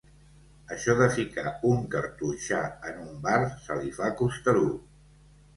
Això de ficar un cartoixà en un bar se li fa costerut.